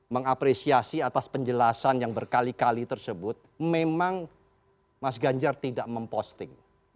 mengapresiasi atas penjelasan yang berkali kali tersebut memang mas ganjar tidak memposting